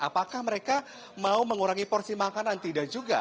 apakah mereka mau mengurangi porsi makanan tidak juga